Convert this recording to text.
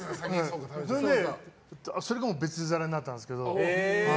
それで別皿になったんですけど。